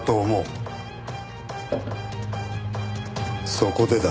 そこでだ